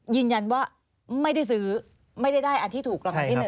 ยืนยันว่าไม่ได้ซื้อไม่ได้ได้อันที่ถูกหรอกครับพี่หนึ่ง